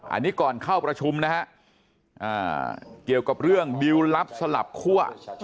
อันนี้ก่อนเข้าประชุมนะฮะเกี่ยวกับเรื่องดิวลลับสลับคั่ว